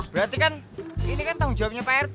berarti kan ini kan tanggung jawabnya pak rt